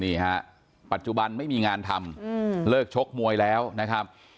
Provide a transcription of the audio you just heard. นี่ฮะปัจจุบันไม่มีงานทำเลิกชกมวยแล้วนะครับ